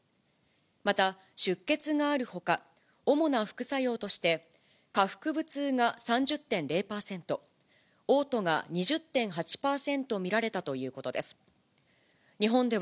また、出血があるほか、主な副作用として、下腹部痛が３０．０％、おう吐が２０．８％見られたということです。